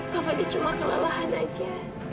kak fadil cuma kelalahan saja